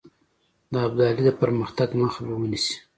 د ابدالي د پرمختګ مخه به ونیسي.